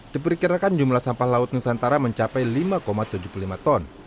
diperkirakan jumlah sampah laut nusantara mencapai lima tujuh puluh lima ton